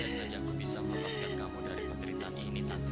anda saja aku bisa melepaskan kamu dari peteritan ini tantri